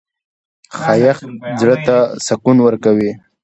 ښایست زړه ته سکون ورکوي